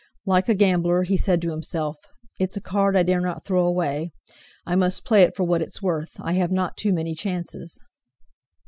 Like a gambler, he said to himself: "It's a card I dare not throw away—I must play it for what it's worth. I have not too many chances."